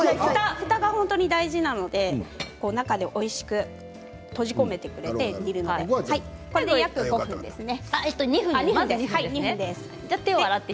ふたが本当に大事なので中でおいしく閉じ込めてくれてまず２分ですね。